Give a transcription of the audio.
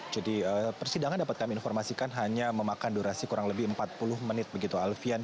jadi persidangan dapat kami informasikan hanya memakan durasi kurang lebih empat puluh menit begitu alfian